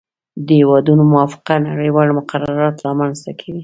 د هیوادونو موافقه نړیوال مقررات رامنځته کوي